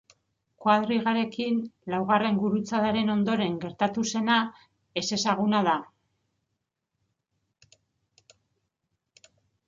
Koadrigarekin, laugarren gurutzadaren ondoren gertatu zena, ezezaguna da.